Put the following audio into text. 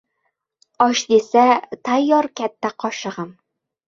Osh desa, tayyor katta qoshig'im.